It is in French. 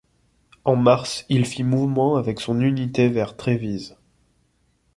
En mars il fit mouvement avec son unité vers Trévise.